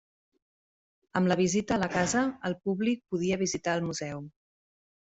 Amb la visita a la casa, el públic podia visitar el Museu.